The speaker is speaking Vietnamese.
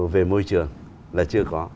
về môi trường là chưa có